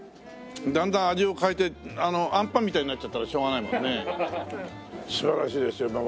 だんだん味を変えてあんパンみたいになっちゃったらしょうがないもんね。素晴らしいですよ。